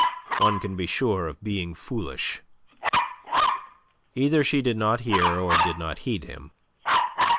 One can be sure of being foolish." Either she did not hear or did not heed him.